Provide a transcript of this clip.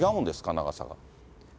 長さが。